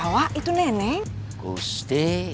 saya lagi mau ditengahin si jho